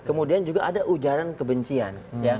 kemudian juga ada ujaran kebencian